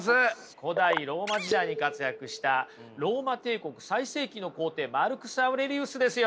古代ローマ時代に活躍したローマ帝国最盛期の皇帝マルクス・アウレリウスですよ。